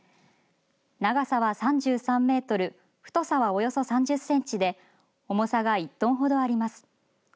長さは３３メートル太さは、およそ３０センチで重さが１トンほどあります。